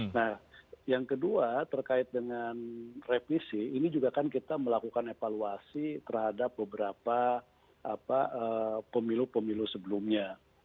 nah yang kedua terkait dengan revisi ini juga kan kita melakukan evaluasi terhadap beberapa pemilu pemilu sebelumnya